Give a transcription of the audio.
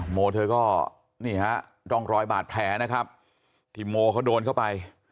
โมเธอก็นี่ฮะร่องรอยบาดแผลนะครับที่โมเขาโดนเข้าไป